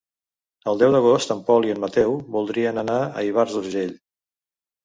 El deu d'agost en Pol i en Mateu voldrien anar a Ivars d'Urgell.